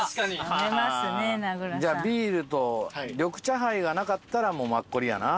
飲めますね名倉さん。じゃあビールと緑茶ハイがなかったらもうマッコリやな。